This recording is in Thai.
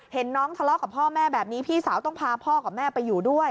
เห็นน้องทะเลาะกับพ่อแม่แบบนี้พี่สาวต้องพาพ่อกับแม่ไปอยู่ด้วย